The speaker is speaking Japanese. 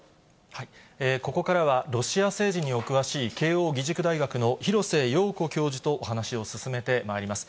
ここからは、ロシア政治にお詳しい、慶応義塾大学の廣瀬陽子教授とお話を進めてまいります。